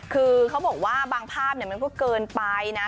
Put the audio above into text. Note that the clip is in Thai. คือเขาบอกว่าบางภาพมันก็เกินไปนะ